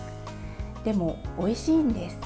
でも、おいしいんです。